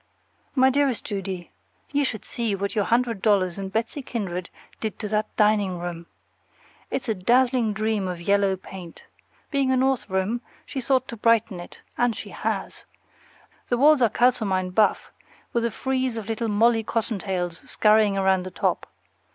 My dearest Judy: You should see what your hundred dollars and Betsy Kindred did to that dining room! It's a dazzling dream of yellow paint. Being a north room, she thought to brighten it; and she has. The walls are kalsomined buff, with a frieze of little molly cottontails skurrying around the top.